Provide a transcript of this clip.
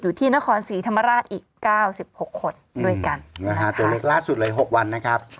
อยู่ที่นครศรีธรรมราชอีกเก้าสิบหกคนด้วยกันนะฮะตัวเลขล่าสุดเลยหกวันนะครับ